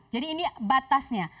jadi ini batasnya